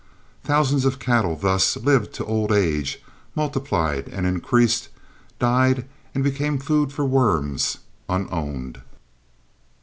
Thousands of cattle thus lived to old age, multiplied and increased, died and became food for worms, unowned.